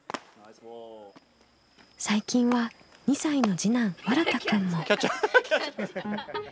最近は２歳の次男わらたくんも。